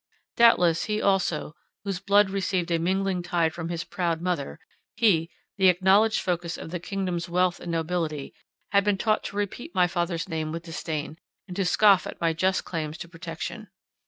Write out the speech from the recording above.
Doubtless, he also, whose blood received a mingling tide from his proud mother—he, the acknowledged focus of the kingdom's wealth and nobility, had been taught to repeat my father's name with disdain, and to scoff at my just claims to protection.